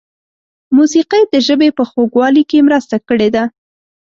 موسیقۍ د ژبې په خوږوالي کې مرسته کړې ده.